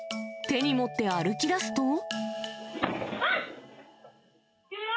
手に持って歩きだすと。